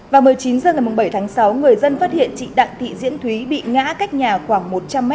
vào một mươi chín h ngày bảy tháng sáu người dân phát hiện chị đặng thị diễn thúy bị ngã cách nhà khoảng một trăm linh m